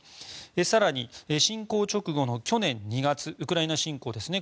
更に侵攻直後の去年２月ウクライナ侵攻ですね。